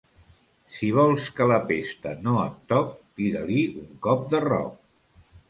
Si vols que la pesta no et toc, tira-li un cop de roc.